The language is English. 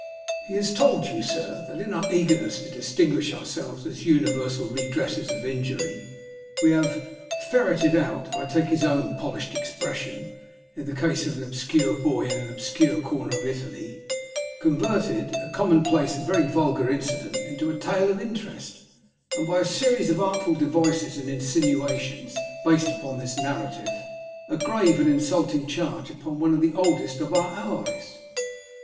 "'He has told you, sir, that in our eagerness to distinguish ourselves as universal redressers of injury, we have "ferreted out" I take his own polished expression the case of an obscure boy in an obscure corner of Italy, converted a commonplace and very vulgar incident into a tale of interest, and, by a series of artful devices and insinuations based upon this narrative, a grave and insulting charge upon one of the oldest of our allies.